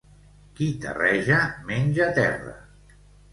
Qui terreja menja terra.